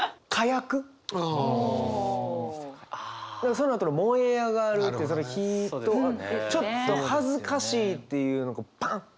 そのあとの「燃え上がる」ってその火とちょっと恥ずかしいっていうのがバンッバンッみたいな。